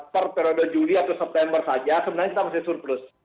per periode juli atau september saja sebenarnya kita masih surplus